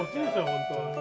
本当は。